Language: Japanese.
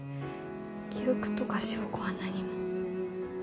記録とか証拠は何も。